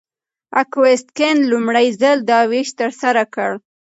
اګوست کنت لومړی ځل دا ویش ترسره کړ.